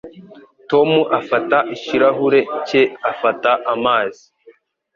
Tom afata ikirahure cye afata amazi.